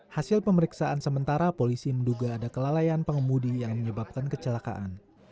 hasil pemeriksaan sementara polisi menduga ada kelalaian pengemudi yang menyebabkan kecelakaan